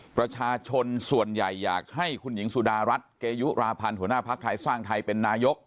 ประชาชนส่วนใหญ่อยากให้คุณหญิงสุดารัฐเกยุราพันธ์หัวหน้าภักดิ์ไทยสร้างไทยเป็นนายก